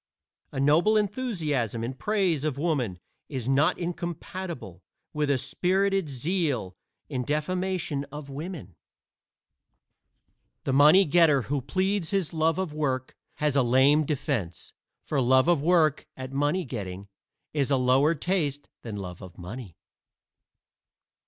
A noble enthusiasm in praise of Woman is not incompatible with a spirited zeal in defamation of women. The money getter who pleads his love of work has a lame defense, for love of work at money getting is a lower taste than love of money.